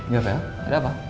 ya pak ada apa